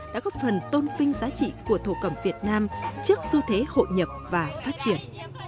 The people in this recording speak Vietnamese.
đã góp phần tôn vinh giá trị của thổ cầm việt nam trước du thế hộ nhập và phát triển